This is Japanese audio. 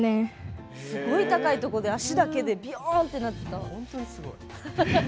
すごい高いところで足だけでびょーんってなってて本当にすごい。